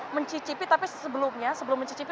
mencicipi tapi sebelumnya sebelum mencicipi